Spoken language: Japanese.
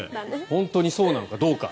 本当にそうなのかどうか。